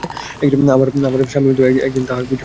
আমার স্বামীও আমাকে একদিন তাহাই বুঝাইয়া বলিলেন।